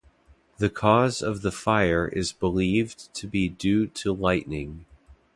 The cause of the fire is believed to be due to lightning.